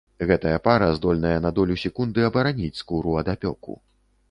Гэтая пара здольная на долю секунды абараніць скуру ад апёку.